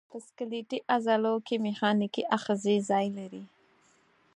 په سکلیټي عضلو کې میخانیکي آخذې ځای لري.